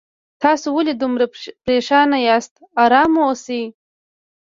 تاسو ولې دومره پریشان یاست آرام اوسئ